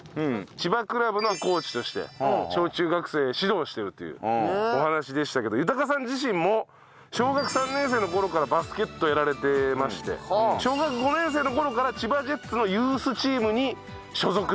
千葉クラブのコーチとして小・中学生指導してるというお話でしたけど豊さん自身も小学３年生の頃からバスケットやられてまして小学５年生の頃から千葉ジェッツのユースチームに所属していたと。